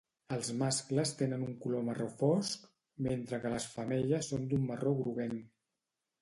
Els mascles tenen un color marró fosc, mentre que les femelles són d'un marró groguenc.